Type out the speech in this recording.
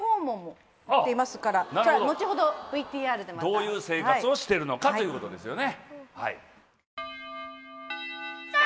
どういう生活をしてるのかということですよね。